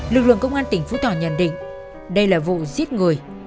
lực lượng công an tỉnh phú thọ nhận định đây là vụ giết người